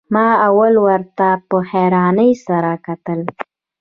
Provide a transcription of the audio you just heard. ما اول ورته په حيرانۍ سره کتل.